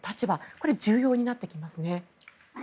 これ、重要になってきますね。